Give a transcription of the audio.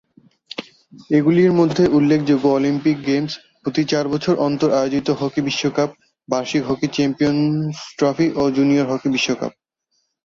এগুলির মধ্যে উল্লেখযোগ্য অলিম্পিক গেমস, প্রতি চার বছর অন্তর আয়োজিত হকি বিশ্বকাপ, বার্ষিক হকি চ্যাম্পিয়নস ট্রফি ও জুনিয়র হকি বিশ্বকাপ।